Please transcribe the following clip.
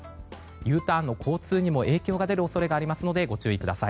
Ｕターンの交通にも影響が出る恐れがありますので注意してください。